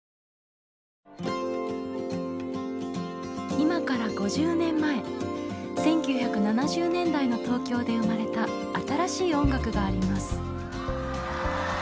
今から５０年前１９７０年代の東京で生まれた新しい音楽があります。